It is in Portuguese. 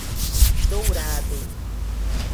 Dourado